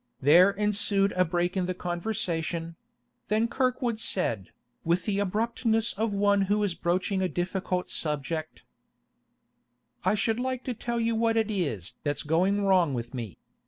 There ensued a break in the conversation; then Kirkwood said, with the abruptness of one who is broaching a difficult subject: 'I should like to tell you what it is that's going wrong with me.